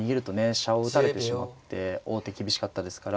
飛車を打たれてしまって王手厳しかったですから。